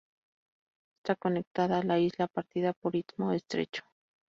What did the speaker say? Está conectada a la Isla Partida por istmo estrecho.